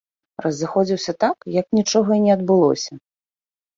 Разыходзіўся так, як нічога і не адбылося.